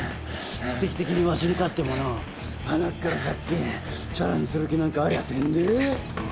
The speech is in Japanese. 奇跡的にわしに勝ってものはなっから借金ちゃらにする気なんかありゃせんで！